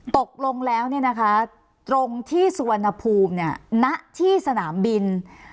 ตกลงแล้วเนี่ยนะคะตรงที่สวนภูมิเนี่ยณที่สนามบิน